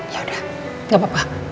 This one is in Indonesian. ya udah gak apa apa